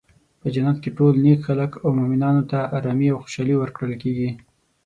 په جنت کې ټول نیک خلک او مومنانو ته ارامي او خوشحالي ورکړل کیږي.